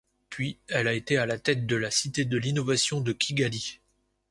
Puis, elle a été à la tête de la Cité de l'innovation de Kigali.